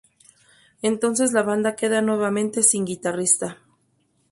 Entonces la banda queda nuevamente sin guitarrista.